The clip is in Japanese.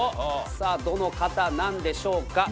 どの方なんでしょうか？